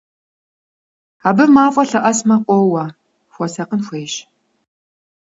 Абы мафӀэ лъэӀэсмэ къоуэ, хуэсакъын хуейщ!